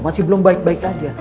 masih belum baik baik aja